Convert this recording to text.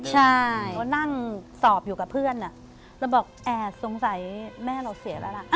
ใช่ก็นั่งสอบอยู่กับเพื่อนเราบอกแอบสงสัยแม่เราเสียแล้วล่ะ